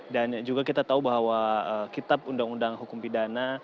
dan juga kita tahu bahwa kitab undang undang hukum pidana